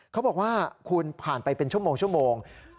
เขาบอกว่าคุณผ่านไปเป็นชั่วโมง